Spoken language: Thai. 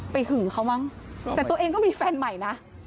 หึงเขามั้งแต่ตัวเองก็มีแฟนใหม่นะ